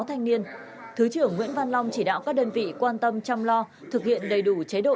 thanh niên thứ trưởng nguyễn văn long chỉ đạo các đơn vị quan tâm chăm lo thực hiện đầy đủ chế độ